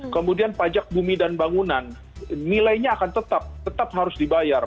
kemudian pajak bumi dan bangunan nilainya akan tetap tetap harus dibayar